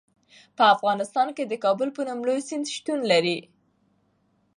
په افغانستان کې د کابل په نوم لوی سیند شتون لري.